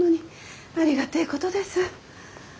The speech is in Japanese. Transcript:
ありがてえことです。